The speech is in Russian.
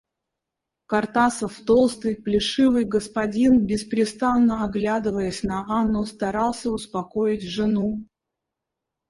Картасов, толстый, плешивый господин, беспрестанно оглядываясь на Анну, старался успокоить жену.